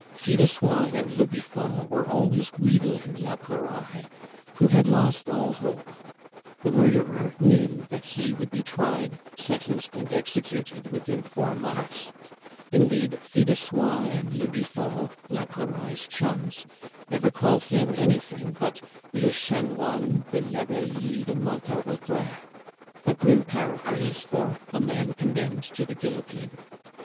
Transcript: Fil de Soie and le Biffon were always wheedling la Pouraille, who had lost all hope. The murderer knew that he would be tried, sentenced, and executed within four months. Indeed, Fil de Soie and le Biffon, la Pouraille's chums, never called him anything but le Chanoine de l'Abbaye de Monte a Regret (a grim paraphrase for a man condemned to the guillotine).